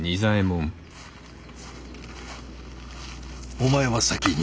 お前は先に。